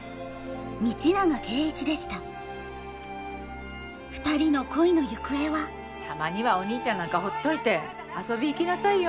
道永圭一でしたたまにはお兄ちゃんなんかほっといて遊び行きなさいよ。